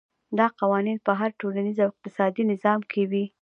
دا قوانین په هر ټولنیز او اقتصادي نظام کې وي.